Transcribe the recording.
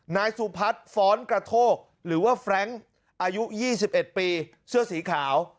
นายสุพัฒน์ฟ้อนกระโทกหรือว่าแฟรงค์อายุ๒๑ปีเสื้อสีขาว